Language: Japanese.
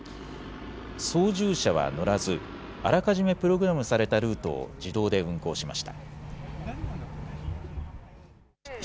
操縦者は乗らず、あらかじめプログラムされたルートを自動で運行しました。